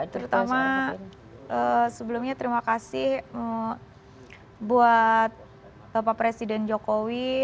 terutama sebelumnya terima kasih buat bapak presiden jokowi